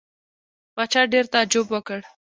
پاچا ډېر تعجب وکړ.